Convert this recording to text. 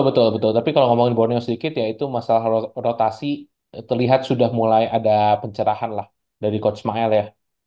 betul betul tapi kalau ngomongin borneo sedikit ya itu masalah rotasi terlihat sudah mulai ada pencerahan lah dari coachmail ya